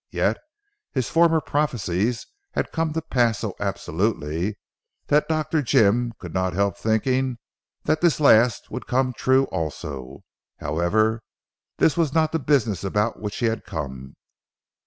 Yet his former prophecies had come to pass so absolutely, that Dr. Jim could not help thinking that this last would come true also. However, this was not the business about which he had come.